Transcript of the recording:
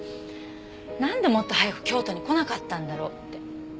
なんでもっと早く京都に来なかったんだろうって。